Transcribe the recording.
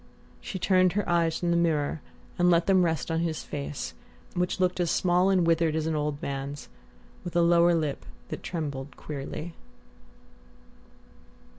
She turned her eyes from the mirror and let them rest on his face, which looked as small and withered as an old man's, with a lower lip that trembled queerly....